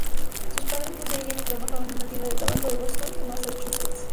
Sus padres poseían y trabajaban en una tienda de tabacos de Boston, Massachusetts.